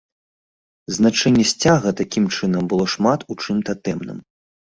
Значэнне сцяга, такім чынам, было шмат у чым татэмным.